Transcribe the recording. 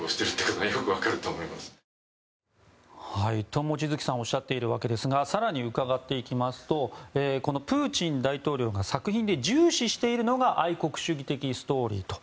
と、望月さんはおっしゃっているわけですが更に伺っていきますとこのプーチン大統領が作品で重視しているのが愛国主義的ストーリーだと。